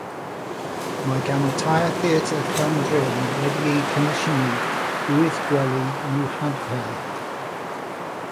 Mae gan y tair theatr llan-drin wedi'i chomisiynu wyth gwely i'w hadfer.